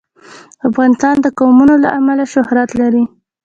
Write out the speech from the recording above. افغانستان د قومونه له امله شهرت لري.